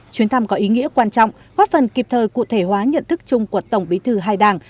chuyến thăm có ý nghĩa quan trọng góp phần kịp thời cụ thể hóa nhận thức chung của tổng bí thư hai đảng